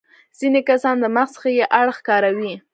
ځينې کسان د مغز ښي اړخ کاروي.